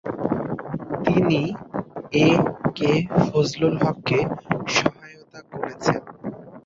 তিনি A. K. Fazlul হককে সহায়তা করেছেন।